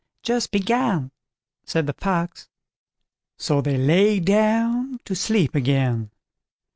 "Just begun", said the Fox. So they lay down to sleep again.